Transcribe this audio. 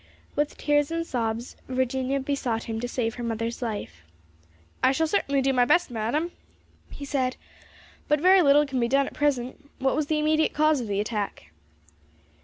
With tears and sobs Virginia besought him to save her mother's life. "I shall certainly do my best, madam," he said, "but very little can be done at present. What was the immediate cause of the attack?"